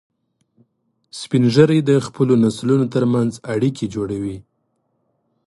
سپین ږیری د خپلو نسلونو تر منځ اړیکې جوړوي